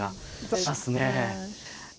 しますね。